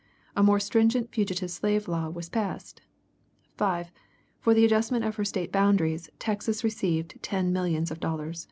A more stringent fugitive slave law was passed. 5. For the adjustment of her State boundaries Texas received ten millions of dollars.